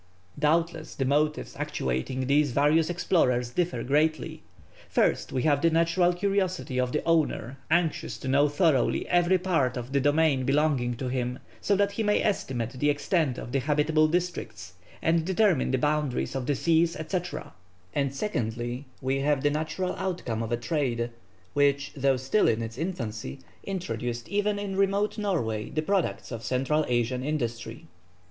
Doubtless the motives actuating these various explorers differ greatly. First, we have the natural curiosity of the owner anxious to know thoroughly every part of the domain belonging to him, so that he may estimate the extent of the habitable districts, and determine the boundaries of the seas, &c. and secondly, we have the natural outcome of a trade, which, though still in its infancy, introduced even in remote Norway the products of Central Asian industry.